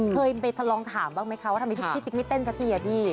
เคยไปลองถามบ้างไหมคะว่าทำไมพี่ติ๊กไม่เต้นสักทีอะพี่